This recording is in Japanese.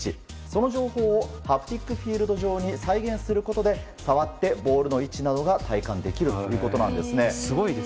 その情報をＨＡＰＴＩＣＦＩＥＬＤ上で再現することで触ってボールの位置などが体感できるということです。